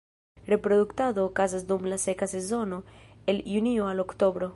Reproduktado okazas dum la seka sezono el junio al oktobro.